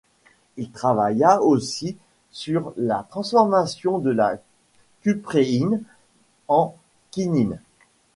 Il travailla aussi sur la transformation de la cupréine en quinine.